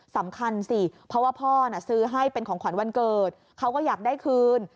สำคัญสิเพราะว่าพ่อน่ะซื้อให้เป็นของขวัญวันเกิดเขาก็อยากได้คืน